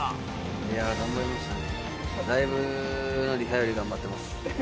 いやぁ、頑張りましたね。